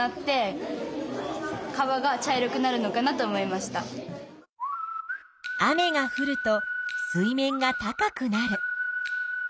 まず雨がふると水面が高くなる。